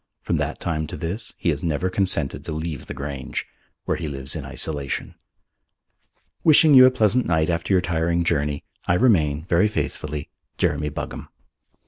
From that time to this he has never consented to leave the Grange, where he lives in isolation. "Wishing you a pleasant night after your tiring journey, "I remain, "Very faithfully, "Jeremy Buggam."